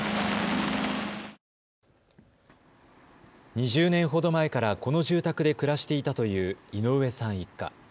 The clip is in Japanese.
２０年ほど前からこの住宅で暮らしていたという井上さん一家。